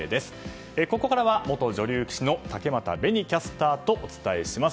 ここからは、元女流棋士の竹俣紅キャスターとお伝えします。